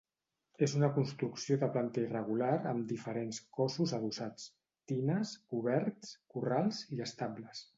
És una construcció de planta irregular amb diferents cossos adossats: tines, coberts, corrals i estables.